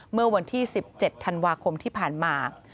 เมื่อวันที่๑๗ธันวาคมที่ผ่านมา